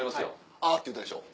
「あぁ」って言うたでしょ。